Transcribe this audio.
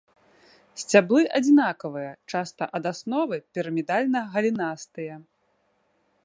Сцяблы адзінкавыя, часта ад асновы пірамідальна-галінастыя.